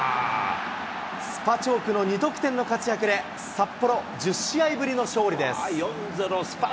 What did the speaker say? スパチョークの２得点の活躍で、札幌１０試合ぶりの勝利です。